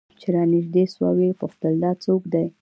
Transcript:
چې رانژدې سوه ويې پوښتل دا څوك دى؟